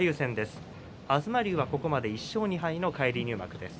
東龍はここまで１勝２敗の返り入幕です。